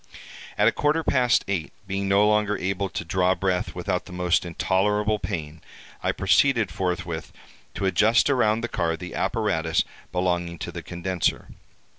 "At a quarter past eight, being no longer able to draw breath without the most intolerable pain, I proceeded forthwith to adjust around the car the apparatus belonging to the condenser.